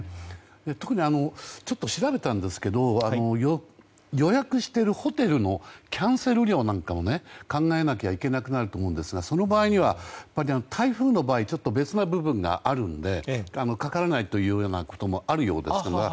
特に、調べたんですけど予約しているホテルのキャンセル料も考えなきゃいけなくなると思うんですがその場合には台風の場合、別な部分があるのでかからないということもあるようですけど。